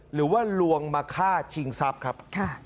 หรือว่าลวงมาฆ่าชิงทรัพย์ครับ